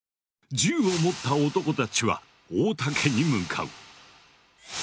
銃を持った男たちは太田家に向かう。